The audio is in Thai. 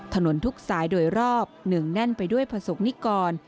ถนนทุกสายโดยรอบเนื่องแน่นไปด้วยประสบนิกร